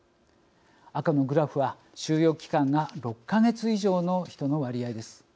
赤のグラフは収容期間が６か月以上の人の割合です。